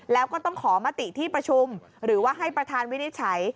แล้วก็ต้องขอมติที่ประชุมหรือว่าให้ประธานวินิจฉัย